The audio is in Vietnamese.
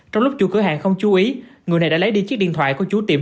trong lúc chủ cửa hàng không chú ý người này đã lấy đi chiếc điện thoại của chú tiệm